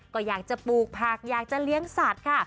ก็อยากจะปลูกผักอยากจะเลี้ยงสัตว์ค่ะ